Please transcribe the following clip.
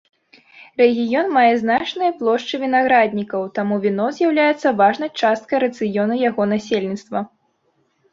Рэгіён мае значныя плошчы вінаграднікаў, таму віно з'яўляецца важнай часткай рацыёну яго насельніцтва.